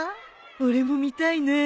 俺も見たいな。